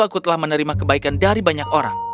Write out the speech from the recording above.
aku telah menerima kebaikan dari banyak orang